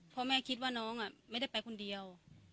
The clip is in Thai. เพราะแม่คิดว่าน้องไม่ได้ไปคนเดียว